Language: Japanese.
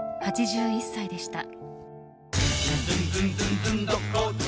８１歳でした。